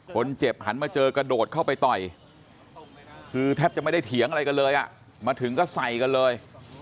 หันมาเจอกระโดดเข้าไปต่อยคือแทบจะไม่ได้เถียงอะไรกันเลยอ่ะมาถึงก็ใส่กันเลย